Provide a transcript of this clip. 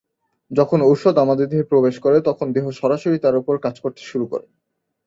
যখন ঔষধ আমাদের দেহে প্রবেশ করে তখন দেহ সরাসরি তার উপর কাজ করতে শুরু করে।